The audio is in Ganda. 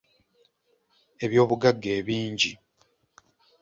Ebyobugagga ebingi.